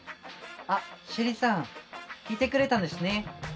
あシェリさん来てくれたんですね。